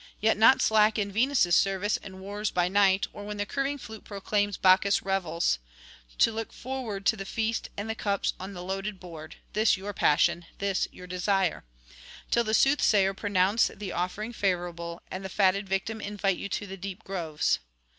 Yet not slack in Venus' service and wars by night, or, when the curving flute proclaims Bacchus' revels, to look forward to the feast and the cups on the loaded board (this your passion, this your desire!) till the soothsayer pronounce the offering favourable, and the fatted victim invite you to the deep groves.'